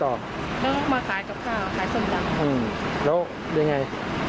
แล้วมาขายกับข้าวขายส้มตำแล้วยังไง